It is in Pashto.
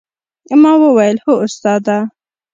ما وويل هو استاده!